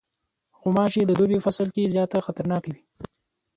غوماشې د دوبی فصل کې زیاته خطرناکې وي.